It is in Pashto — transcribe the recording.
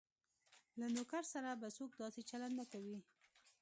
له نوکر سره به څوک داسې چلند نه کوي.